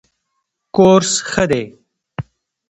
کورس ښه دی.